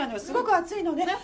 すごく暑いのね。